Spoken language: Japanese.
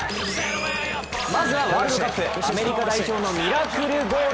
まずはワールドカップ、アメリカ代表のミラクルゴール。